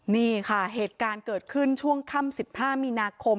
นี่ค่ะเหตุการณ์เกิดขึ้นช่วงค่ำ๑๕มีนาคม